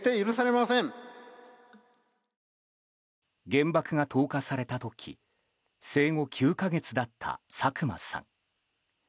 原爆が投下された時生後９か月だった佐久間さん。